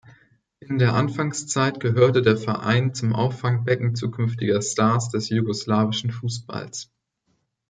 In der Anfangszeit gehörte der Verein zum Auffangbecken zukünftiger Stars des jugoslawischen Fußballs.